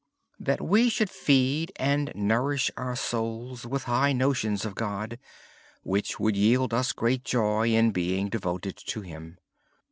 We should feed and nourish our souls with high notions of God which would yield us great joy in being devoted to Him.